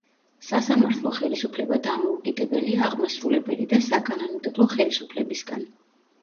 სასამართლო ხელისუფლება დამოუკიდებელია აღმასრულებელი და საკანონმდებლო ხელისუფლებებისგან.